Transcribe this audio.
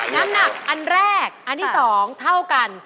น้ำหนักอันแรกอันที่๒เท่ากัน